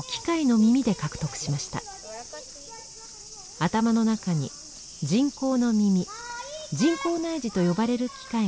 頭の中に人工の耳「人工内耳」と呼ばれる機械が埋め込まれています。